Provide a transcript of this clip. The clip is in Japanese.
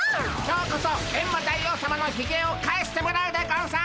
今日こそエンマ大王さまのひげを返してもらうでゴンス！